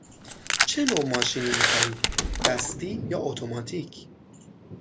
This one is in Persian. چه نوع ماشینی می خواهید – دستی یا اتوماتیک؟